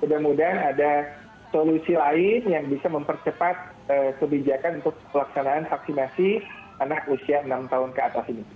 mudah mudahan ada solusi lain yang bisa mempercepat kebijakan untuk pelaksanaan vaksinasi anak usia enam tahun ke atas ini